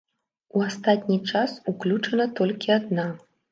У астатні час уключана толькі адна.